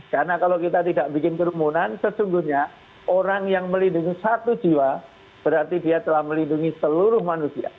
karena kalau kita tidak bikin kerumunan sesungguhnya orang yang melindungi satu jiwa berarti dia telah melindungi seluruh manusia